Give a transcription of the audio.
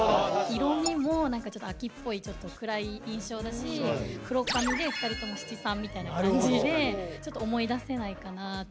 色みもちょっと秋っぽいちょっと暗い印象だし黒髪で２人とも七三みたいな感じでちょっと思い出せないかなぁと。